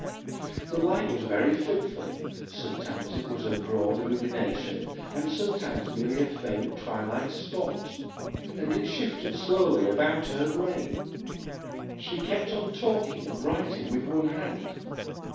The light was very fitful; sometimes it was a broad illumination, and sometimes merely a faint twilight spot, and it shifted slowly about her brain. She kept on talking and writing with one hand.